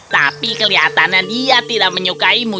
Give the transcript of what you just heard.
tapi kelihatannya dia tidak menyukaimu